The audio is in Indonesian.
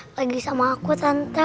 lagi sama aku tante